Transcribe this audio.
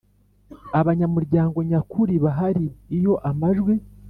abanyamuryango nyakuri bahari Iyo amajwi